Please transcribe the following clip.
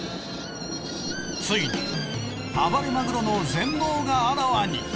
ついに暴れマグロの全貌があらわに。